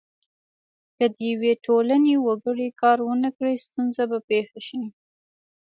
که د یوې ټولنې وګړي کار ونه کړي ستونزه به پیښه شي.